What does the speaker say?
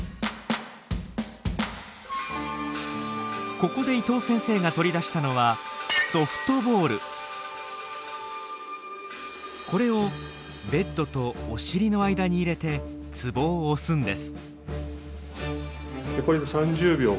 ここで伊藤先生が取り出したのはこれをベッドとお尻の間に入れてツボを押すんです。